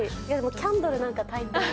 キャンドルなんか炊いて。